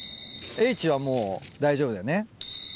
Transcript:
Ｈはもう大丈夫だよね。